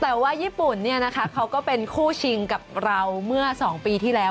แต่ว่าญี่ปุ่นเนี่ยนะคะเขาก็เป็นคู่ชิงกับเราเมื่อ๒ปีที่แล้ว